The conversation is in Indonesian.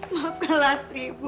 maafkan lastri ibu